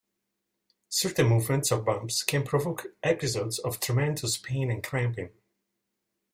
Certain movements or bumps can provoke episodes of tremendous pain and cramping.